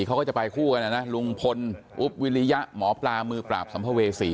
เขาก็จะไปคู่กันนะนะลุงพลอุ๊บวิริยะหมอปลามือปราบสัมภเวษี